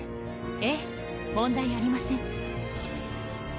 ええ問題ありません。